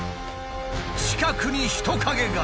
近くに人影が。